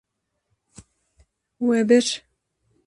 We bir.